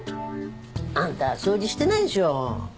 あんた掃除してないでしょ？